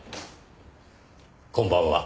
こんばんは。